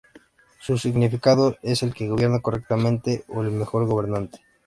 Su significado es "el que gobierna correctamente" o "el mejor gobernante".